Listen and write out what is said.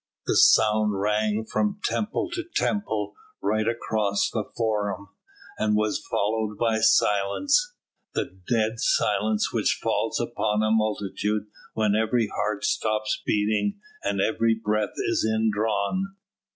The sound rang from temple to temple right across the Forum, and was followed by silence the dead silence which falls upon a multitude when every heart stops beating and every breath is indrawn.